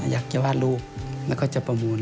อยากจะวาดรูปแล้วก็จะประมูล